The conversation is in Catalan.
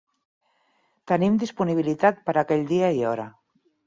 Tenim disponibilitat per aquell dia i hora.